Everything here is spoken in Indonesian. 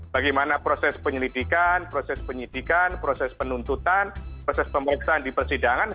bagaimana proses penyelidikan proses penyidikan proses penuntutan proses pemeriksaan di persidangan